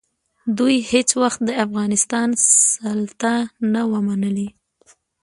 دوی هېڅ وخت د افغانستان سلطه نه وه منلې.